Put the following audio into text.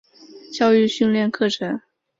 教育训练课程